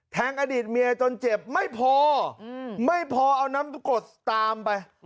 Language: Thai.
อดีตเมียจนเจ็บไม่พอไม่พอเอาน้ำกดตามไป